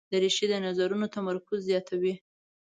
دریشي د نظرونو تمرکز زیاتوي.